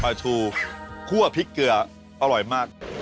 โปรดติดตามตอนต่อไป